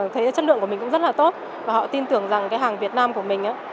thấy chất lượng của mình cũng rất là tốt và họ tin tưởng rằng cái hàng việt nam của mình